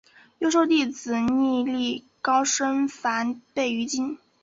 又授弟子觅历高声梵呗于今。